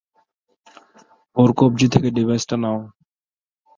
ওর কব্জি থেকে ডিভাইসটা নাও।